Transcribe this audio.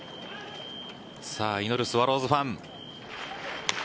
祈るスワローズファン。